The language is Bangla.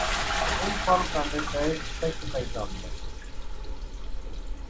এর ফল কান্ডের গায়ে থোকায় থোকায় জন্মে।